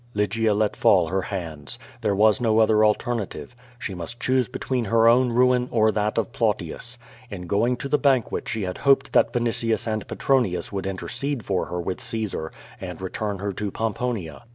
Lygia let fall her hands. There was no other alternative. She must choose between her own ruin or that of Plautius. In going to the banquet she had hoped that Vinitius and Petronius would intercede for her with Caesar, and return her to Pomponia.